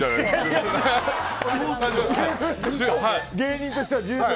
芸人としては十分？